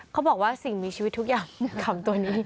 เขาบอกว่าสิ่งมีชีวิตทุกอย่างรึเปล่ากล่ามตัวนี้